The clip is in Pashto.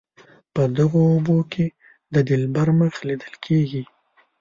په دغو اوبو کې د دلبر مخ لیدل کیږي.